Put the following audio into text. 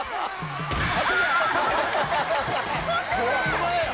ホンマや。